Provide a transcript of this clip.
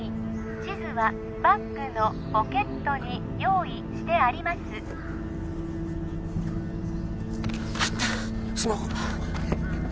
地図はバッグのポケットに用意してありますあったスマホ